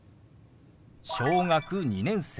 「小学２年生」。